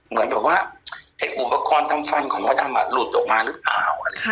เหมือนกับว่าไอ้อุปกรณ์ทำฟันของมดดำหลุดออกมาหรือเปล่า